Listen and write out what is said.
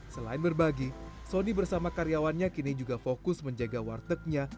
selain berbagi soni bersama karyawannya kini juga fokus menjaga wartegnya